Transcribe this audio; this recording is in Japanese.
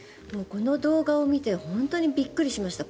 この動画を見て本当にびっくりしました。